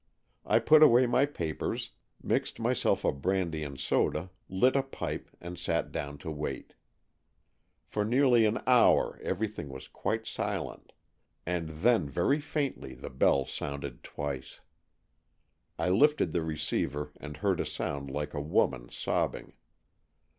I put away my papers, mixed my self a brandy and soda, lit a pipe and sat down to wait. For nearly an hour every thing was quite silent, and then very faintly the bell sounded twice. I lifted the receiver and heard a sound like a woman sobbing.